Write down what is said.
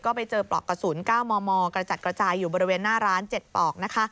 ไปเจอปลอกกระสุน๙มมกระจัดกระจายอยู่บริเวณหน้าร้าน๗ปลอกนะคะ